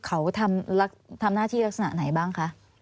เขาทำหน้าที่ลักษณะไหนบ้างคะ